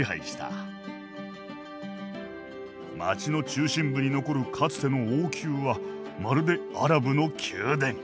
街の中心部に残るかつての王宮はまるでアラブの宮殿。